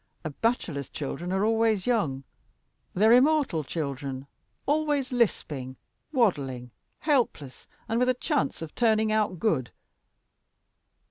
A bachelor's children are always young: they're immortal children always lisping, waddling, helpless, and with a chance of turning out good."